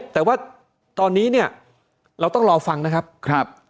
แต่ว่าตอนนี้เนี่ยเราต้องรอฟังนะครับ